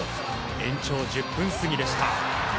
延長１０分過ぎでした。